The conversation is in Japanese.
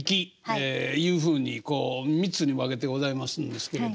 いうふうにこう３つに分けてございますんですけれど。